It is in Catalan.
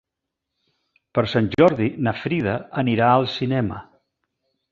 Per Sant Jordi na Frida anirà al cinema.